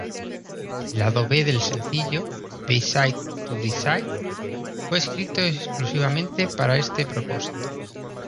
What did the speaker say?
El lado B del sencillo, "B-side to Seaside", fue escrito exclusivamente para este propósito.